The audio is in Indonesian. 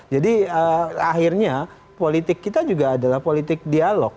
jadi akhirnya politik kita juga adalah politik dialog